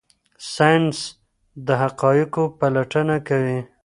ساینس د حقایقو پلټنه کوي.